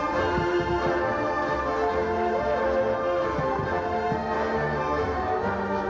สวัสดีครับ